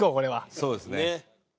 そうですね。